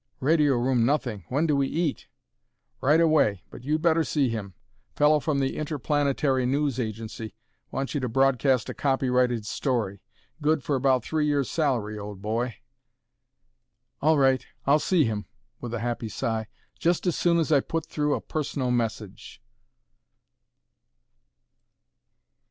"Radio room nothing! When do we eat?" "Right away, but you'd better see him. Fellow from the Interplanetary News Agency wants you to broadcast a copyrighted story. Good for about three years' salary, old boy." "All right. I'll see him" with a happy sigh "just as soon as I put through a personal message."